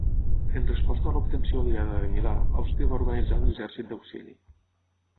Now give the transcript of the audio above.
En resposta a l'obtenció aliada de Milà, Àustria va organitzar un exèrcit d'auxili.